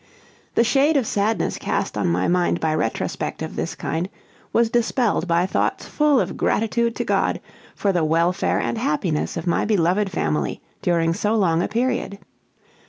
The shade of sadness cast on my mind by retrospect of this kind was dispelled by thoughts full of gratitude to God, for the welfare and happiness of my beloved family during so long a period.